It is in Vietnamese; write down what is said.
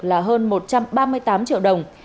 là hơn một trăm ba mươi tám triệu đồng